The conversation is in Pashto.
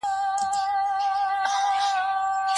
د ژبې پر سر شخړه د هوښیارانو کار نه دی.